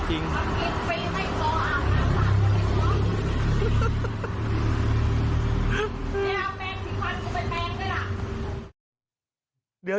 แม่เอาแปงสีฟันกูไปแปงด้วยล่ะ